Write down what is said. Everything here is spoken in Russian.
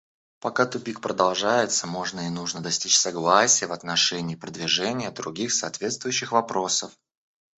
Пока тупик продолжается, можно и нужно достичь согласия в отношении продвижения других соответствующих вопросов.